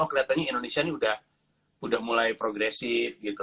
kelihatannya indonesia ini udah mulai progresif gitu